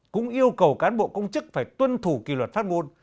cũng yêu cầu cán bộ công chức phải tuân thủ kỳ luật phát ngôn